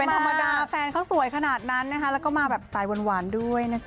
เป็นธรรมดาแฟนเขาสวยขนาดนั้นนะคะแล้วก็มาแบบสายหวานด้วยนะจ